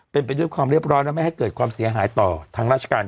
เป็นไปด้วยความเรียบร้อยและไม่ให้เกิดความเสียหายต่อทางราชการ